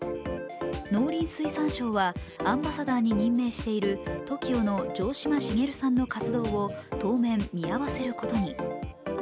農林水産省はアンバサダーに任命しているＴＯＫＩＯの城島茂さんの活動を当面見合わせることに。